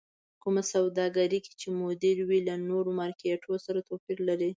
کومه سوداګرۍ کې چې مدير وي له نور مارکېټ سره توپير لري.